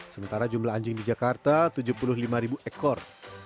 sementara jumlah anjing di jakarta tujuh puluh lima ekor